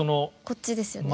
こっちですよね。